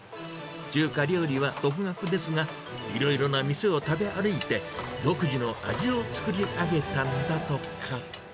中華料理は独学ですが、いろいろな店を食べ歩いて、独自の味を作り上げたんだとか。